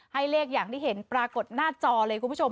ให้เลขอย่างที่เห็นปรากฏหน้าจอเลยคุณผู้ชม